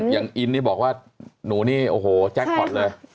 อย่างอินนี่บอกว่าหนูนี่โอ้โหแจ็คพอร์ตเลย